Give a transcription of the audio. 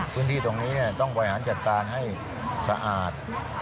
พื้นที่ตรงนี้ต้องบริหารจัดการให้สะอาด